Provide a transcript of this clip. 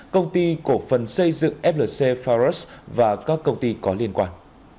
công ty cổ phần xây dựng flc faros và các công ty có liên quan